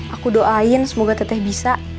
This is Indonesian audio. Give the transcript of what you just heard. aku doain semoga teteh bisa